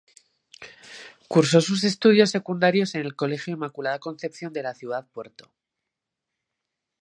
Cursó sus estudios secundarios en el Colegio Inmaculada Concepción de la ciudad-puerto.